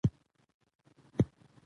پرېکړې باید پر معلوماتو ولاړې وي